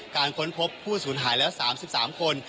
ค้นพบผู้สูญหายแล้ว๓๓คน